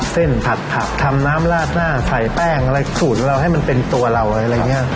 ผัดผักทำน้ำลาดหน้าใส่แป้งอะไรสูตรเราให้มันเป็นตัวเราอะไรอย่างนี้